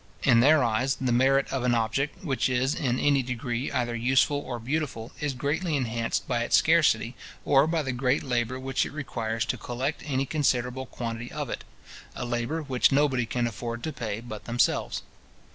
In their eyes, the merit of an object, which is in any degree either useful or beautiful, is greatly enhanced by its scarcity, or by the great labour which it requires to collect any considerable quantity of it; a labour which nobody can afford to pay but themselves.